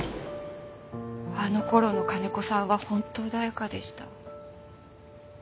あの頃の金子さんは本当穏やかでした。